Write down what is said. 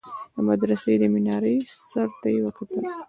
د مدرسې د مينارې سر ته يې وكتل.